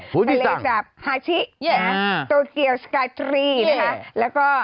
ฟูจิสังภ์ฮาชิโตเกียวสกาทรีนะคะแล้วก็